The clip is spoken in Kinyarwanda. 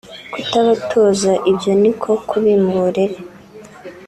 Kutabatoza ibyo ni ko kubima uburere